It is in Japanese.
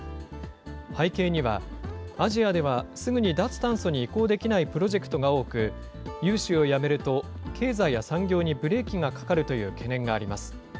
背景には、アジアではすぐに脱炭素に移行できないプロジェクトが多く、融資をやめると経済や産業にブレーキがかかるという懸念があります。